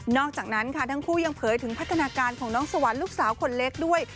อกจากนั้นค่ะทั้งคู่ยังเผยถึงพัฒนาการของน้องสวรรค์ลูกสาวคนเล็กด้วย